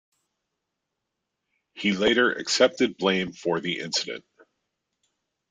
He later accepted blame for the incident.